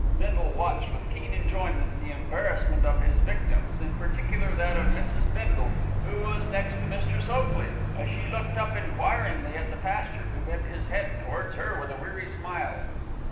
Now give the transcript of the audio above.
Bindle watched with keen enjoyment the embarrassment of his victims, in particular that of Mrs. Bindle, who was next to Mr. Sopley, as she looked up enquiringly at the pastor, who bent his head towards her with a weary smile.